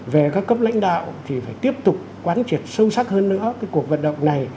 về các cấp lãnh đạo thì phải tiếp tục quán triệt sâu sắc hơn nữa cái cuộc vận động này